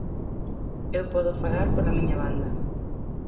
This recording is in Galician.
Eu podo falar pola miña banda.